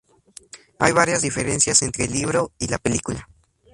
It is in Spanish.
Hay varias diferencias entre el libro y la película.